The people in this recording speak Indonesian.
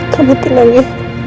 kamu tenang ya